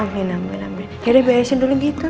amin amin amin ya udah bayasin dulu gitu